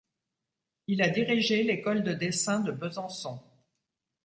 Il a dirigé l'école de dessin de Besançon.